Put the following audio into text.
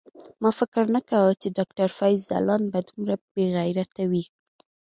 ما فکر نه کاوه چی ډاکټر فیض ځلاند به دومره بیغیرته وی